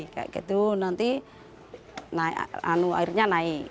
kayak gitu nanti airnya naik